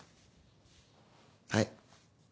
はい。